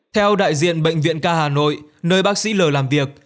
theo đại diện bệnh viện ca hà nội nơi bác sĩ l làm việc